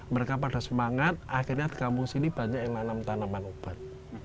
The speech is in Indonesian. mereka pada semangat akhirnya di kampung sini banyak yang nanam tanaman obat